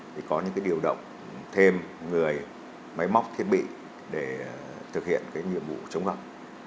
thì có những điều động thêm người máy móc thiết bị để thực hiện nhiệm vụ chống gặp